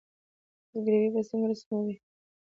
زګیروي به څنګه رسموي